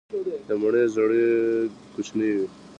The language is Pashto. د مڼې زړې کوچنۍ وي.